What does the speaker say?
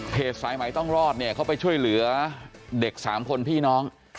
สายใหม่ต้องรอดเนี่ยเขาไปช่วยเหลือเด็ก๓คนพี่น้อง